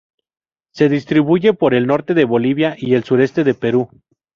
Se distribuye por el norte de Bolivia y el sureste de Perú.